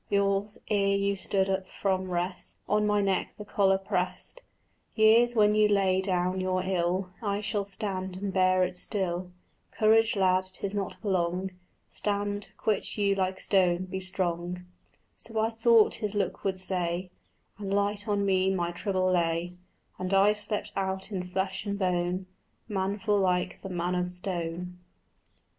Years, ere you stood up from rest, On my neck the collar prest; Years, when you lay down your ill, I shall stand and bear it still. Courage, lad, 'tis not for long: Stand, quit you like stone, be strong." So I thought his look would say; And light on me my trouble lay, And I slept out in flesh and bone Manful like the man of stone.